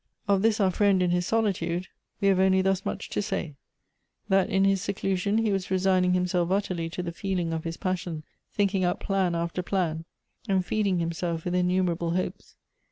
Of this our friend in his solitude we have only thus 144 Goethe's much to say — that in his sedusion he was resigning himself utterly to the feeling of his passion, thinking out plan after plan, anil feeding himself with innumerable hopes.